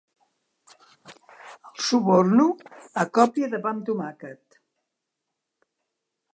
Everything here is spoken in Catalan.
El suborno a còpia de pa amb tomàquet.